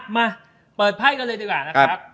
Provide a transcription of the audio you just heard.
มาเปิดไพ่กันเลยดีกว่านะครับ